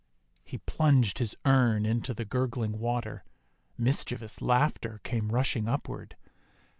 He plunged his urn into the gurgling water. Mischievous laughter came rushing upward.